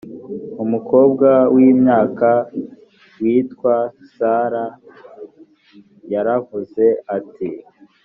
umukobwa w imyaka witwa sarah yaravuze ati